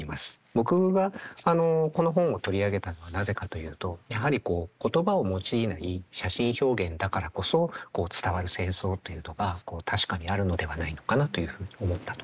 僕がこの本を取り上げたのはなぜかというとやはりこう言葉を用いない写真表現だからこそ伝わる戦争というのが確かにあるのではないのかなというふうに思ったところ。